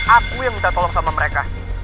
aku yang minta tolong sama mereka